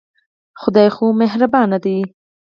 خدای خو مهربانه دی.